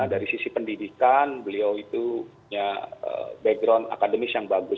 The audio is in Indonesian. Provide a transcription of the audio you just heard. dari sisi pendidikan beliau itu punya background akademis yang bagus